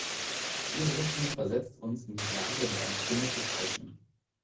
Diese Richtlinie versetzt uns in die Lage, mit einer Stimme zu sprechen.